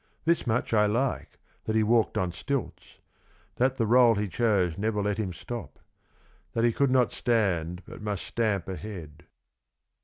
This much I like, that he walked on stilts, that the role he chose never let him stop. That he could not stand, but must stamp ahead.